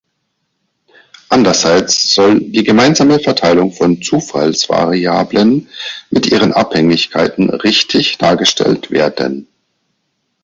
Anderseits soll die gemeinsame Verteilung von Zufallsvariablen mit ihren Abhängigkeiten richtig dargestellt werden.